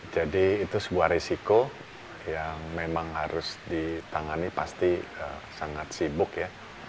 jadi itu sebuah risiko yang memang harus ditangani pasti sangat sibuk ya